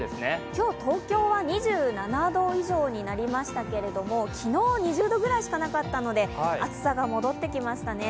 今日、東京は２７度以上になりましたけれども、昨日２０度ぐらいしかなかったので、暑さが戻ってきましたね。